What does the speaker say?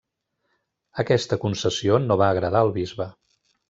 Aquesta concessió no va agradar al bisbe.